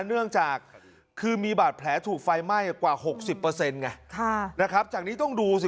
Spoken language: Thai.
เนื่องจากคือมีบาดแผลถูกไฟไหม้กว่า๖๐เปอร์เซ็นต์ไงจากนี้ต้องดูสิ